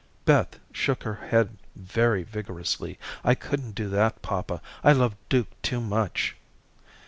Beth shook her head very vigorously. "I couldn't do that, papa. I love Duke too much."